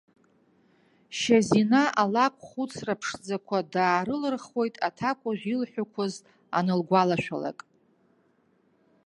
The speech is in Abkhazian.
Шьазина алакә хәыцра ԥшӡақәа даарылырхуеит аҭакәажә илҳәақәаз анылгәалашәалак.